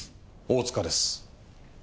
大塚です。